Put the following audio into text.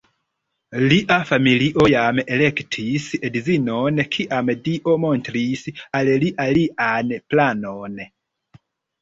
Lia familio jam elektis edzinon, kiam Dio montris al li alian planon.